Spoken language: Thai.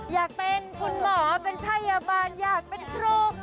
อยากเป็นคุณหมอเป็นพยาบาลอยากเป็นครู